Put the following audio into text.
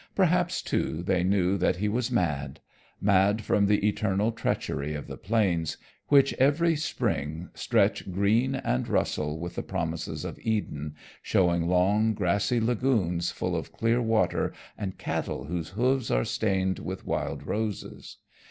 Perhaps, too, they knew that he was mad, mad from the eternal treachery of the plains, which every spring stretch green and rustle with the promises of Eden, showing long grassy lagoons full of clear water and cattle whose hoofs are stained with wild roses.